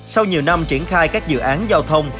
sau nhiều năm triển khai các dự án giao thông